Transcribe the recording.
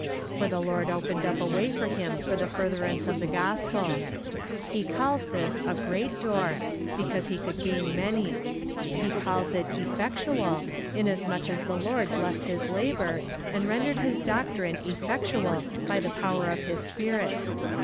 For the Lord opened up a way for him for the furtherance of the gospel. He calls this a great door, because he could gain many. He calls it effectual, inasmuch as the Lord blessed his labour, and rendered his doctrine effectual by the power of His Spirit.